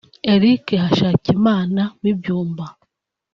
Eric Hashakimana w’i Byumba